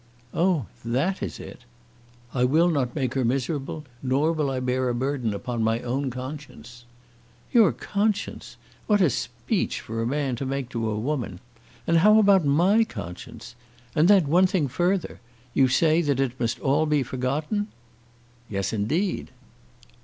"Oh, that is it!" "I will not make her miserable, nor will I bear a burden upon my own conscience." "Your conscience! What a speech for a man to make to a woman! And how about my conscience? And then one thing further. You say that it must be all forgotten?" "Yes, indeed."